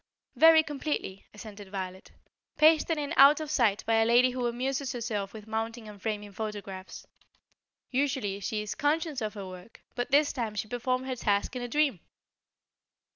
"Very completely," assented Violet. "Pasted in out of sight by a lady who amuses herself with mounting and framing photographs. Usually, she is conscious of her work, but this time she performed her task in a dream."